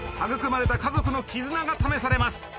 育まれた家族の絆が試されます。